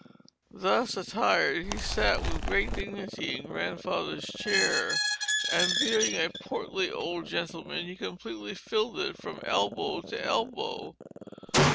Thus attired, he sat with great dignity in Grandfather's chair; and, being a portly old gentleman, he completely filled it from elbow to elbow.